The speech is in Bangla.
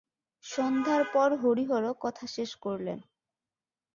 সন্ধ্যার পব হরিহর কথা শেষ করিযী।